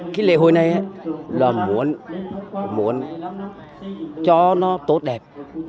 cái lễ hội này là muốn cho nó tốt đẹp